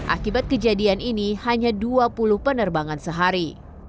akibat kejadian ini hanya dua puluh penerbangan sehari